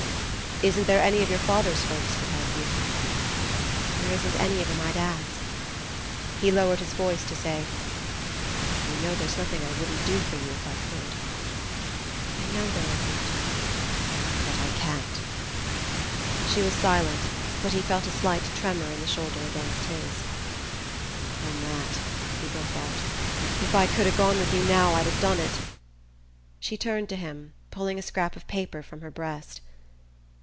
"Isn't there any of your father's folks could help you?" "There isn't any of 'em I'd ask." He lowered his voice to say: "You know there's nothing I wouldn't do for you if I could." "I know there isn't." "But I can't " She was silent, but he felt a slight tremor in the shoulder against his. "Oh, Matt," he broke out, "if I could ha' gone with you now I'd ha' done it " She turned to him, pulling a scrap of paper from her breast.